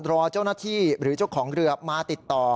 รอเจ้าหน้าที่หรือเจ้าของเรือมาติดต่อ